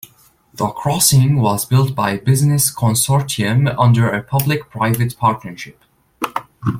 The crossing was built by a business consortium under a public-private partnership.